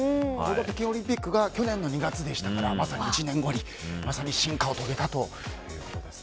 北京オリンピックが去年２月でしたからまさに１年後に進化を遂げたということですね。